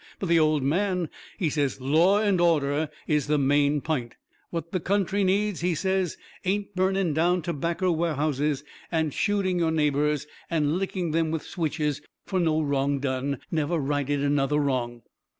But the old man, he says law and order is the main pint. What the country needs, he says, ain't burning down tobaccer warehouses, and shooting your neighbours, and licking them with switches, fur no wrong done never righted another wrong.